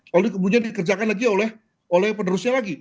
lalu kemudian dikerjakan lagi oleh penerusnya lagi